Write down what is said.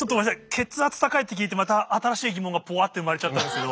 血圧高いって聞いてまた新しい疑問がぽわって生まれちゃったんですけど。